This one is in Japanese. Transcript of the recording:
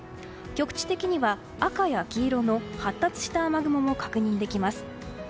局地的には、赤や黄色の発達した雨雲も確認できます。